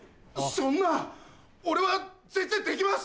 そんな俺は絶対できます！